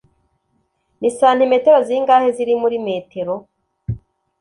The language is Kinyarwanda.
Ni santimetero zingahe ziri muri metero?